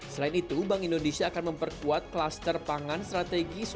selain itu bank indonesia akan memperkuat kluster pangan strategis